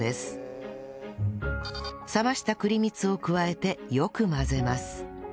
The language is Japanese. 冷ました栗蜜を加えてよく混ぜます